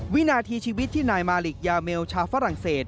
มีชีวิตที่นายมาลิกยาเมลชาฝรั่งเศส